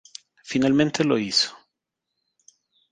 Finalmente lo hizo.